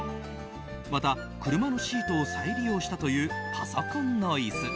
また、車のシートを再利用したというパソコンの椅子。